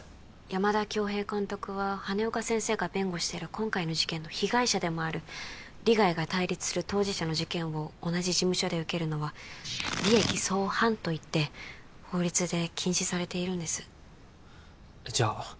山田恭兵監督は羽根岡先生が弁護してる今回の事件の被害者でもある利害が対立する当事者の事件を同じ事務所で受けるのは利益相反といって法律で禁止されているんですじゃ